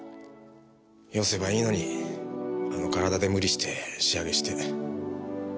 よせばいいのにあの体で無理して仕上げして。